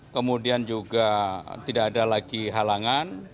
kemudian juga tidak ada lagi halangan